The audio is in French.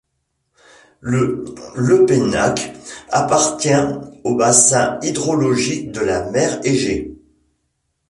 Le Lepenac appartient au bassin hydrologique de la mer Égée.